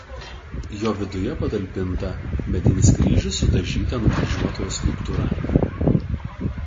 Jo viduje patalpinta medinis kryžius su dažyta nukryžiuotojo skulptūra.